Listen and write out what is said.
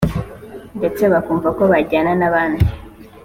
ndetse bakumva ko bajyana n’abandi